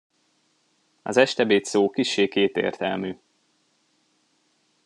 Az estebéd szó kissé kétértelmű.